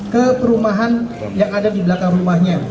ke perumahan yang ada di belakang rumahnya